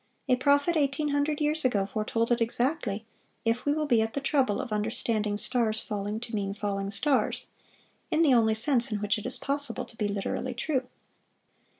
A prophet eighteen hundred years ago foretold it exactly, if we will be at the trouble of understanding stars falling to mean falling stars, ... in the only sense in which it is possible to be literally true."